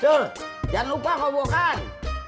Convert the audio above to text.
sur jangan lupa ngobrokan